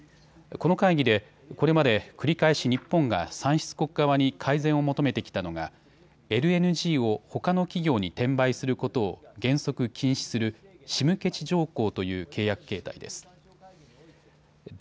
この会議でこれまで繰り返し日本が産出国側に改善を求めてきたのがＬＮＧをほかの企業に転売することを原則、禁止する仕向地条項という契約形態です。